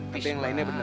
tapi yang lainnya beneran